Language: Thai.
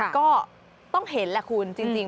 ก็ต้องเห็นแหละคุณจริง